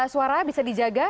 suara bisa dijaga